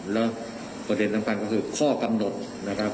แล้วประเด็นสำคัญก็คือข้อกำหนดนะครับ